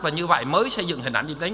và như vậy mới xây dựng hình ảnh